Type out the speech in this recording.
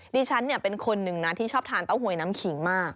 ดิฉันเป็นคนหนึ่งนะที่ชอบทานเต้าหวยน้ำขิงมาก